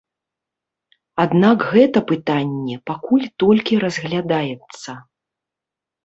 Аднак гэта пытанне пакуль толькі разглядаецца.